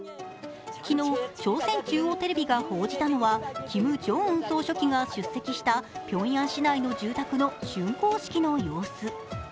昨日、朝鮮中央テレビが報じたのはキム・ジョンウン総書記が出席したピョンヤン市内の住宅の竣工式の様子。